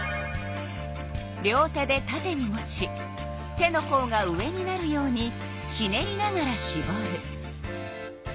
両手でたてに持ち手のこうが上になるようにひねりながらしぼる。